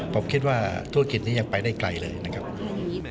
ผมคิดว่าธุรกิจนี้ยังไปได้ไกลเลยนะครับ